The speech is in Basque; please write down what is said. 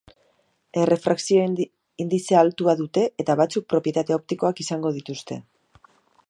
Errefrakzio-indize altua dute eta batzuk propietate optikoak izango dituzte.